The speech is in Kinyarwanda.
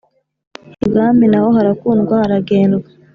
ibwami na ho harakundwa haragendwa.